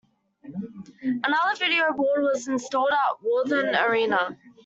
Another video board was installed at Worthen Arena.